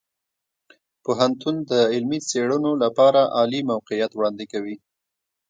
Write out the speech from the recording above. پوهنتون د علمي څیړنو لپاره عالي موقعیت وړاندې کوي.